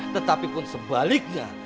tetapi pun sebaliknya